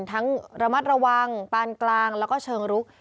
ทั้งระมัดระวังปานกลางแล้วก็เชิงรุก